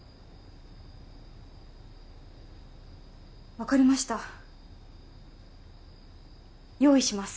分かりました用意します